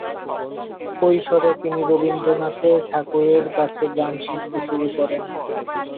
কৈশোরে তিনি রবীন্দ্রনাথের ঠাকুরের কাছে গান শিখতে শুরু করেন।